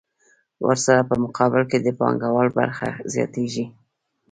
ورسره په مقابل کې د پانګوال برخه زیاتېږي